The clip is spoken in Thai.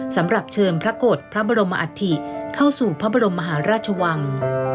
สำหรับเชิญพระกฏพระบรมอัฐิเข้าสู่พระบรมมหาราชวัง